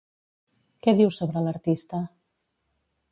Què diu sobre l'artista?